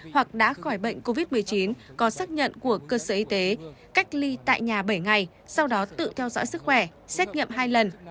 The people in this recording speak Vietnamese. hoặc đã khỏi bệnh covid một mươi chín có xác nhận của cơ sở y tế cách ly tại nhà bảy ngày sau đó tự theo dõi sức khỏe xét nghiệm hai lần